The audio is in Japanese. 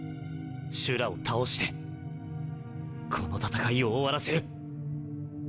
シュラを倒してこの戦いを終わらせる！